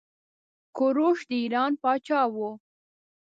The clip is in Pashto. کوروش د ايران پاچا وه.